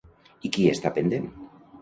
I qui està pendent?